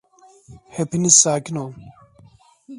Hepiniz sakin olun.